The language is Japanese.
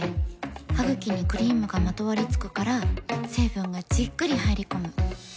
ハグキにクリームがまとわりつくから成分がじっくり入り込む。